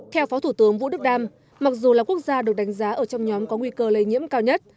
theo phó thủ tướng vũ đức đam mặc dù là quốc gia được đánh giá ở trong nhóm có nguy cơ lây nhiễm cao nhất